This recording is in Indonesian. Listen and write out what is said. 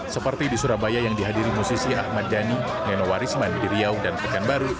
seperti di surabaya yang dihadiri musisi ahmad dhani nenowarisman di riau dan pekanbaru